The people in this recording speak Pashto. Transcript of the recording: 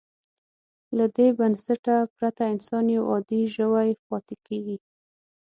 له دې بنسټه پرته انسان یو عادي ژوی پاتې کېږي.